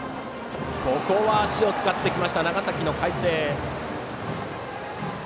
ここは足を使ってきました長崎の海星。